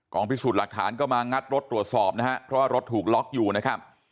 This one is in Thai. พิสูจน์หลักฐานก็มางัดรถตรวจสอบนะฮะเพราะว่ารถถูกล็อกอยู่นะครับ